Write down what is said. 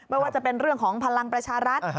ไม่ว่าจะเป็นเรื่องของพลังประชารัฐ